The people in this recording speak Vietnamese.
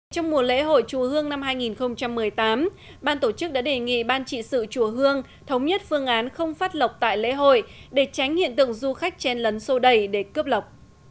trong mùa lễ hội chùa hương năm hai nghìn một mươi tám ban tổ chức đã đề nghị ban trị sự chùa hương thống nhất phương án không phát lọc tại lễ hội để tránh hiện tượng du khách chen lấn sô đẩy để cướp lọc